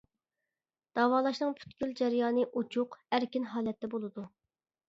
داۋالاشنىڭ پۈتكۈل جەريانى ئوچۇق، ئەركىن ھالەتتە بولىدۇ.